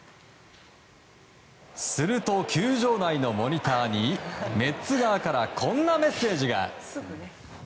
すると球場内のモニターにメッツ側からこんなメッセージが。